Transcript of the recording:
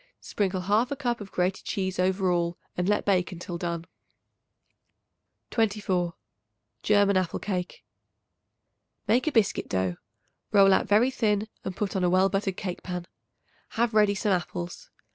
Sprinkle 1/2 cup of grated cheese over all and let bake until done. 24. German Apple Cake. Make a biscuit dough; roll out very thin and put on a well buttered cake pan. Have ready some apples.